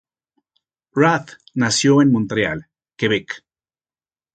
Rath nació en Montreal, Quebec.